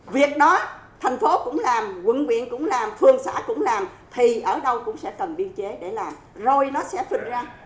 việc đó thành phố cũng làm quận quyện cũng làm phương xã cũng làm thì ở đâu cũng sẽ cần biên chế để làm rồi nó sẽ phình ra